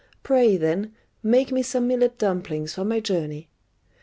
Pray, then, make me some millet dumplings for my journey."